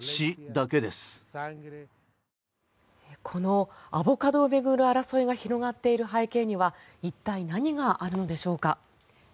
このアボカドを巡る争いが広がっている背景には一体何があるのでしょうか。